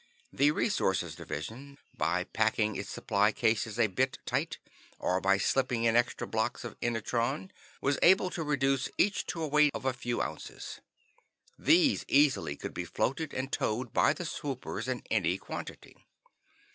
The Resources Division, by packing its supply cases a bit tight, or by slipping in extra blocks of inertron, was able to reduce each to a weight of a few ounces. These easily could be floated and towed by the swoopers in any quantity.